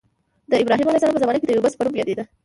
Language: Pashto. دا د ابراهیم علیه السلام په زمانه کې د یبوس په نوم یادېده.